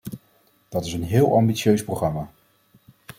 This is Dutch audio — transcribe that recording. Dat is een heel ambitieus programma.